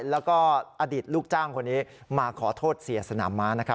แล้วก็อดีตลูกจ้างคนนี้มาขอโทษเสียสนามม้านะครับ